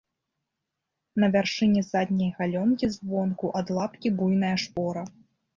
На вяршыні задняй галёнкі звонку ад лапкі буйная шпора.